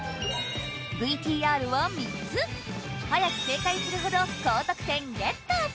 ＶＴＲは３つ早く正解するほど高得点ゲット！